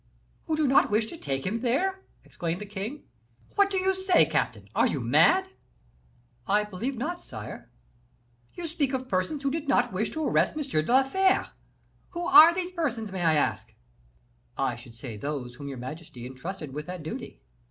"Who do not wish to take him there!" exclaimed the king. "What do you say, captain! Are you mad?" "I believe not, sire." "You speak of persons who did not wish to arrest M. de la Fere! Who are those persons, may I ask?" "I should say those whom your majesty intrusted with that duty."